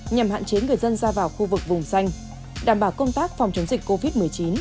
nhằm hạn chế người dân ra vào khu vực vùng xanh đảm bảo công tác phòng chống dịch covid một mươi chín